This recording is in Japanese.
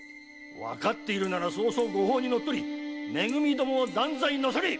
わかっているなら御法に乗っ取りめ組どもを断罪なされい！